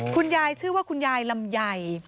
คุณยายชื่อว่าคุณยายลำไย